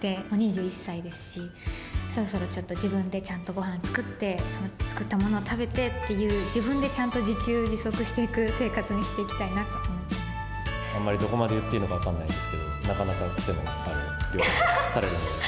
もう２１歳ですし、そろそろちょっと自分でちゃんとごはん作って、作ったものを食べてっていう、自分でちゃんと自給自足していく生活にしていきたいなと思ってまあんまり、どこまで言っていいのか分かんないですけど、なかなか癖のある料理をされるので。